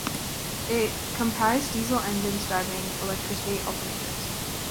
It comprised diesel engines driving electricity alternators.